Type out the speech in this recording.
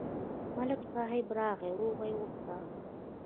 ملک صاحب راغی، روغه یې وکړه.